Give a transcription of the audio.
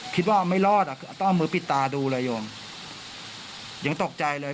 คิดว่าไม่รอดอ่ะต้องเอามือปิดตาดูเลยโยมยังตกใจเลย